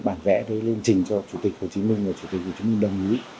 bản vẽ lên trình cho chủ tịch hồ chí minh và chủ tịch hồ chí minh đồng ý